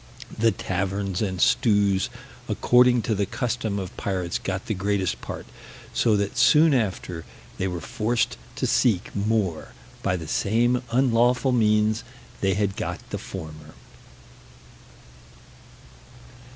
The taverns and stews, according to the custom of pirates, got the greatest part; so that, soon after, they were forced to seek more by the same unlawful means they had got the former.